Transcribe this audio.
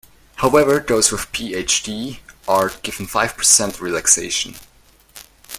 However, those with Ph.D are given five percent relaxation.